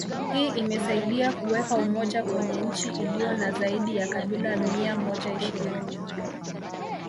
Hii imesaidia kuweka umoja kwenye nchi ilio na zaidi ya kabila mia moja ishirini